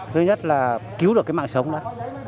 thứ nhất là cứu được cái mạng sống đó